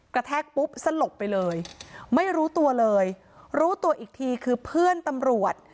แทกปุ๊บสลบไปเลยไม่รู้ตัวเลยรู้ตัวอีกทีคือเพื่อนตำรวจ